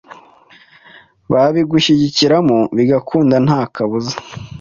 babigushyigikiramo bigakunda ntakabuza